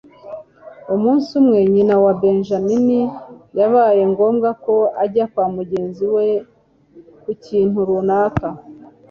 Umunsi umwe, nyina wa Benyamini byabaye ngombwa ko ajya kwa mugenzi we ku kintu runaka.